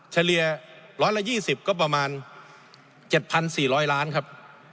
เฉลี่ยร้อยละ๒๐ก็ประมาณ๗๔๐๐ล้านบาทครับ